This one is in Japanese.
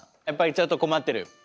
やっぱりちょっと困ってる？